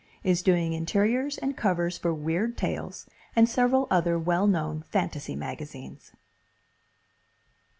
Is doing interiors and covers for Weird Tales and several other wellknown fantasy magazines.